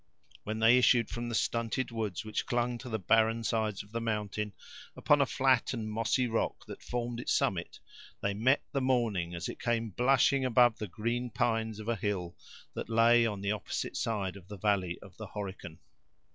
When they issued from the stunted woods which clung to the barren sides of the mountain, upon a flat and mossy rock that formed its summit, they met the morning, as it came blushing above the green pines of a hill that lay on the opposite side of the valley of the Horican.